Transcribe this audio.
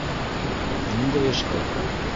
Ниндәй... эшкә?